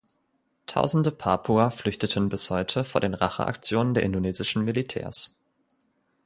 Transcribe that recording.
Tausende Papua flüchteten bis heute vor den Racheaktionen der indonesischen Militärs.